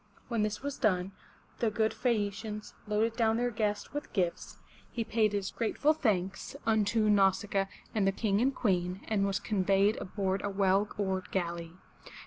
When this was done, the good Phae a'ci ans loaded down their guest with gifts; he paid his grateful thanks 430 FROM THE TOWER WINDOW unto Nau sic'a a, and the King and Queen, and was conveyed aboard a well oared galley.